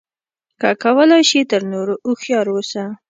که کولای شې تر نورو هوښیار اوسه.